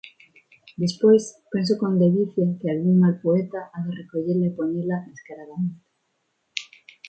Despois penso con ledicia que algún mal poeta ha de recollela e poñela descaradamente.